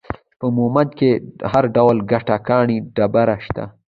په مومند کې هر ډول ګټه ، کاڼي ، ډبره، شته